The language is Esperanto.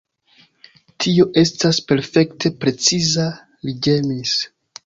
Tio estas perfekte preciza, li ĝemis.